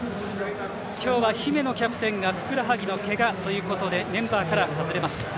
今日は姫野キャプテンがふくらはぎのけがということでメンバーから外れました。